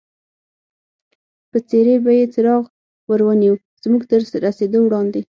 پر څېرې به یې څراغ ور ونیو، زموږ تر رسېدو وړاندې.